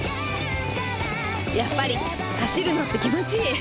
やっぱり走るのって気持ちいい！